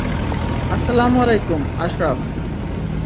আস-সালামু আলাইকুম, আশরাফ।